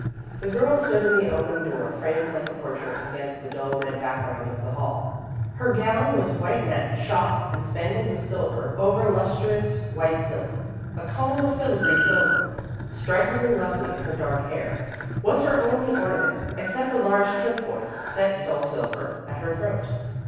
The girl stood in the open door, framed like a portrait, against the dull red background of the hall. Her gown was white net, shot and spangled with silver, over lustrous white silk. A comb, of filagree silver, strikingly lovely in her dark hair, was her only ornament except a large turquoise, set in dull silver, at her throat.